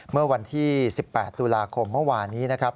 เมื่อวันที่๑๘ตุลาคมเมื่อวานนี้นะครับ